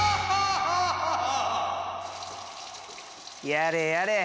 やれやれ